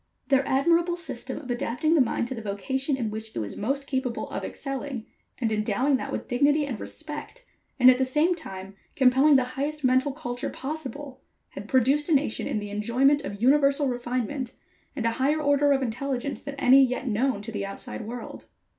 Their admirable system of adapting the mind to the vocation in which it was most capable of excelling, and endowing that with dignity and respect, and, at the same time, compelling the highest mental culture possible, had produced a nation in the enjoyment of universal refinement, and a higher order of intelligence than any yet known to the outside world.